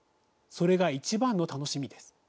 それが一番の楽しみです。